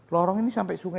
lorong ini sampai sungai